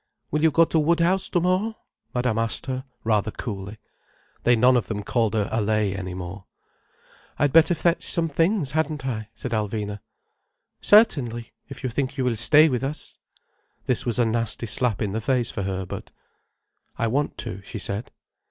"Will you go to Woodhouse tomorrow?" Madame asked her, rather coolly. They none of them called her Allaye any more. "I'd better fetch some things, hadn't I?" said Alvina. "Certainly, if you think you will stay with us." This was a nasty slap in the face for her. But: "I want to," she said.